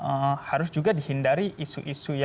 keseluruhan publixtrioux dan politik tingkatnya maksudnya